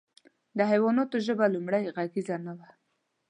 د حیواناتو ژبه لومړۍ غږیزه نه وه.